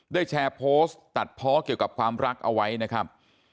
แชร์โพสต์ตัดเพาะเกี่ยวกับความรักเอาไว้นะครับ